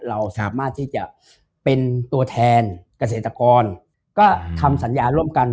เราสามารถที่จะเป็นตัวแทนเกษตรกรก็ทำสัญญาร่วมกัน